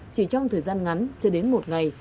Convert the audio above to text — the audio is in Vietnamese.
chỉ trong thời gian ngắn cho đến một ngày